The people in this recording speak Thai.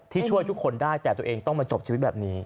ช่วยทุกคนได้แต่ตัวเองต้องมาจบชีวิตแบบนี้